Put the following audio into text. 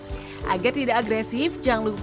kotoran yang menempel pada kulit tapir dengan mudah hilang